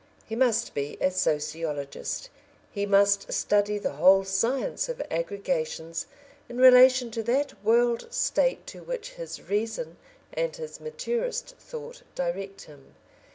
He must be a sociologist; he must study the whole science of aggregations in relation to that World State to which his reason and his maturest thought direct him.